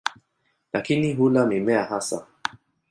Lakini hula mimea hasa.